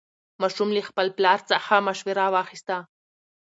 ماشوم له خپل پلار څخه مشوره واخیسته